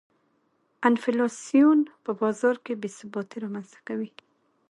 انفلاسیون په بازار کې بې ثباتي رامنځته کوي.